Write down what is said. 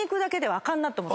あかんなと思って。